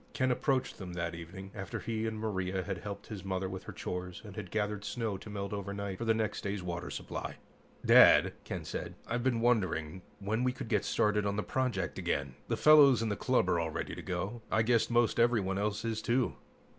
Ken approached them that evening, after he and Maria had helped his mother with her chores and had gathered snow to melt overnight for their next day's water supply. "Dad," Ken said, "I've been wondering when we could get started on the project again. The fellows in the club are all ready to go. I guess most everyone else is, too."